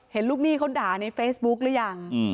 เห็นลูกหนี้เขาด่าในเฟซบุ๊คหรือยัง